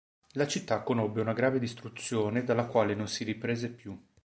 La città conobbe una grave distruzione dalla quale non si riprese più.